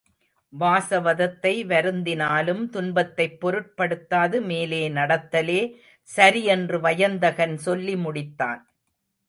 வாசவதத்தை வருந்தினாலும் துன்பத்தைப் பொருட்படுத்தாது மேலே நடத்தலே சரி என்று வயந்தகன் சொல்லி முடித்தான்.